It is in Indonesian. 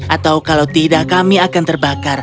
atau kalau tidak kami akan terbakar